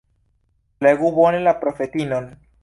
Flegu bone la profetinon.